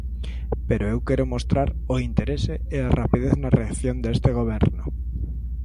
Pero eu quero mostrar o interese e a rapidez na reacción deste Goberno.